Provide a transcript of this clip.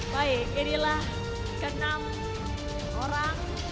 baik inilah ke enam orang